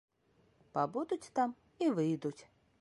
Пабудуць там і выйдуць!